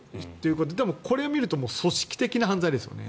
でも、これを見ると組織的な犯罪ですよね。